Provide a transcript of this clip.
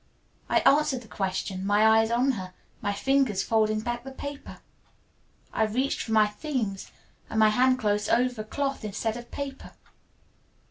I answered the question, my eyes on her, my fingers folding back the paper. I reached for my themes and my hand closed over cloth instead of paper.